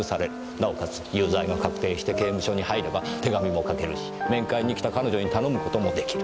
なおかつ有罪が確定して刑務所に入れば手紙も書けるし面会に来た彼女に頼む事もできる。